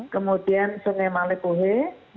kemudian sungai malik bhuhe